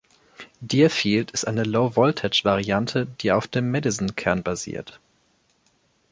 Deerfield ist eine Low-Voltage-Variante, die auf dem Madison-Kern basiert.